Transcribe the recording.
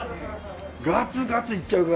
ガツガツいっちゃうから。